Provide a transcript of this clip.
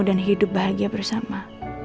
dan hidup bahagia bersama